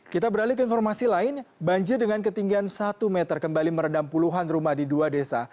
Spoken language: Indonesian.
kita beralih ke informasi lain banjir dengan ketinggian satu meter kembali merendam puluhan rumah di dua desa